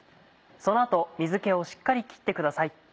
その後水気をしっかりきってください。